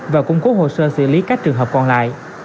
và cung cố hồ sơ xử lý các trường hợp còn lại